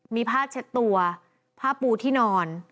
มีตะตัวผ้าปูที่นอน